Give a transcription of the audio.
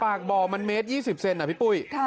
ปากบ่อมันเมตร๒๐เซนนะพี่ปุ้ย